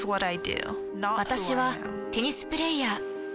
私はテニスプレイヤー。